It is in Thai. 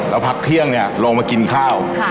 แล้วพักเที่ยงลงมากินข้าว